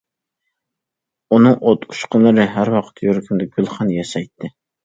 ئۇنىڭ ئوت ئۇچقۇنلىرى ھەر ۋاقىت يۈرىكىمدە گۈلخان ياسايتتى.